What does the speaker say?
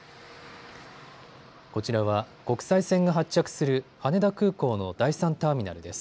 こちらは国際線が発着する羽田空港の第３ターミナルです。